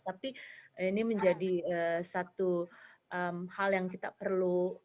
tapi ini menjadi satu hal yang kita perlu